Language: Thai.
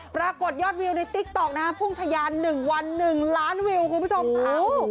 ปรากฏยอดวิวในติ๊กต๊อกนะฮะพุ่งทะยาน๑วัน๑ล้านวิวคุณผู้ชมค่ะ